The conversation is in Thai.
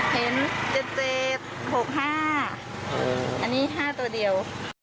เห็น๗๗๖๕อันนี้๕ตัวเดียว